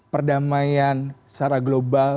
perdamaian secara global